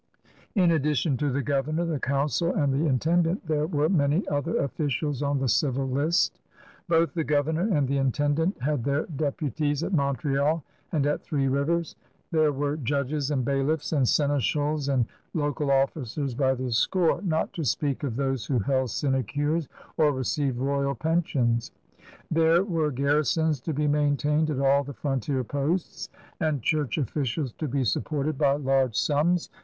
In addition to the governor, the council, and the intendant, there were many other officials on the dvil list. Both the governor and the intendant had their deputies at Montreal and at Three Bivers. There were judges and bailiffs and seneschab and local officers by the score, not to speak of those who held sinecures or received royal pensions. There were garrisons to be maintained at all the frontier posts and church officials to be supported by large sums.